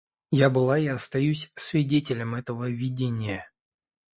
Я была и остаюсь свидетелем этого видения.